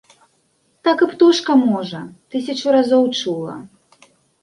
Так і птушка можа, тысячу разоў чула.